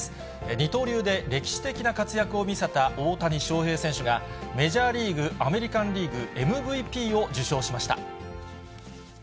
二刀流で歴史的な活躍を見せた大谷翔平選手が、メジャーリーグ・アメリカンリーグＭＶＰを受賞しました。